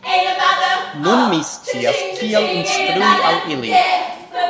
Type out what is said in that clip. Nun mi scias kiel instrui al ili!